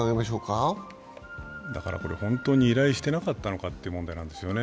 これ本当に依頼していなかったのかという問題なんですよね。